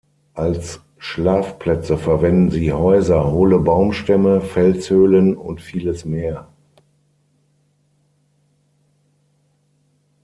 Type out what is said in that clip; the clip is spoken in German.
Als Schlafplätze verwenden sie Häuser, hohle Baumstämme, Felshöhlen und vieles mehr.